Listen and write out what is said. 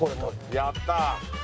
やった。